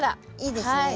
いいですね。